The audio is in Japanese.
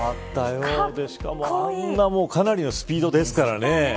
あんなかなりのスピードですからね。